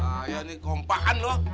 bahaya nih kompakan lu